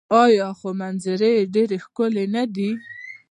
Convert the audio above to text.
آیا خو منظرې یې ډیرې ښکلې نه دي؟